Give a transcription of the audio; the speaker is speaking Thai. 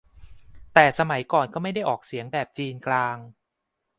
แต่สมัยก่อนก็ไม่ได้ออกเสียงแบบจีนกลาง